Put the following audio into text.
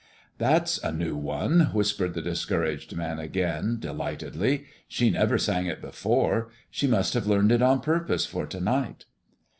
"That's a new one," whispered the Discouraged Man again, delightedly. "She never sang it before. She must have learned it on purpose for to night!"